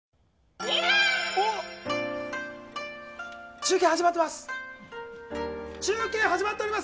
中継始まってます。